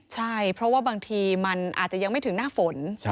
ใช่เพราะว่าบางทีมันอาจจะยังไม่ถึงหน้าฝน